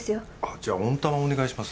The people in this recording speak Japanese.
じゃあ温卵をお願いします。